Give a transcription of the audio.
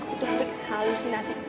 itu fix halusinasi